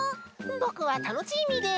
ぼくはタノチーミーです。